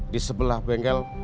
di sebelah bengkel